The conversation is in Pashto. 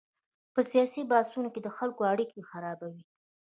په سیاسي بحثونو کې د خلکو اړیکې خرابوي.